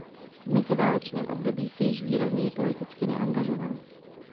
V meziválečném období se již výrazněji politicky neangažoval.